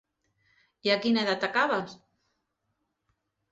I a quina edat acabes?